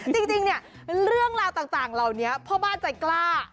จริงเนี่ยเรื่องราวต่างเหล่านี้พ่อบ้านใจกล้า